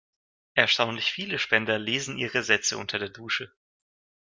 Erstaunlich viele Spender lesen ihre Sätze unter der Dusche.